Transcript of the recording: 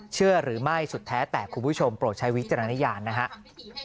เชื่อหรือไม่สุดแท้แต่คุณผู้ชมโปรดใช้วิจารณญาณนะครับ